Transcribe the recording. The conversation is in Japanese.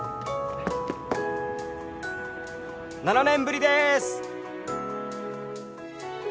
「７年ぶりでーす」